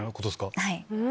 はい。